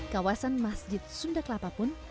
kawasan masjid sunda kelapa pun